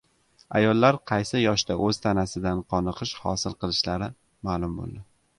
Ayollar qaysi yoshda o‘z tanasidan qoniqish hosil qilishlari ma’lum bo‘ldi